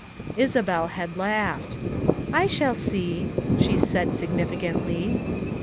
Isabel had laughed. "I shall see," she said significantly.